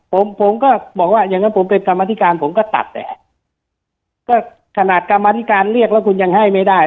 ผมผมก็บอกว่าอย่างงั้นผมเป็นกรรมธิการผมก็ตัดแต่ก็ขนาดกรรมธิการเรียกแล้วคุณยังให้ไม่ได้